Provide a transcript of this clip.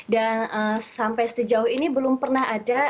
dan sampai sejauh ini belum pernah ada